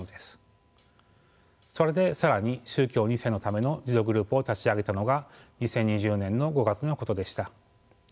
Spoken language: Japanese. それで更に宗教２世のための自助グループを立ち上げたのが２０２０年の５月のことでした。